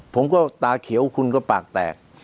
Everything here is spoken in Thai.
ผมก็ตาเขียวคุณก็ปากแตก